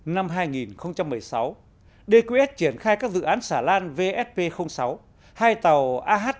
năm hai nghìn một mươi sáu dqs triển khai các dự án xà lan vsp sáu hai tàu ahts cho vsp